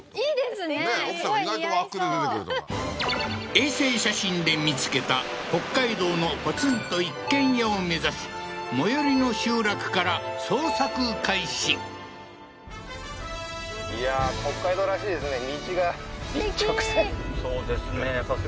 すごい似合いそう衛星写真で見つけた北海道のポツンと一軒家を目指し最寄りの集落から捜索開始そうですね